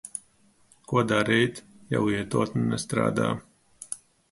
Ko darīt, ja lietotne nestrādā?